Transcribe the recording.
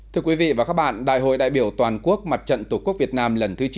thưa quý vị và các bạn đại hội đại biểu toàn quốc mặt trận tổ quốc việt nam lần thứ chín